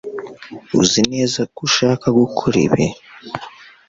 Uzi neza ko ushaka gukora ibi?